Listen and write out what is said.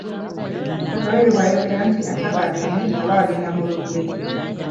Nakawere bw’ayogera nti akakaatanye aba agenda mu lumbe.